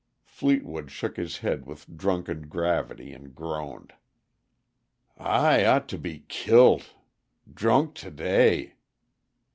Fleetwood shook his head with drunken gravity, and groaned. "I ought to be killed. Drunk to day!"